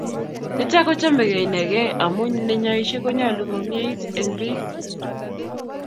Nitok ko chamegei inegei amu neinyaise konyalu komiet eng piik